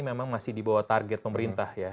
memang masih di bawah target pemerintah ya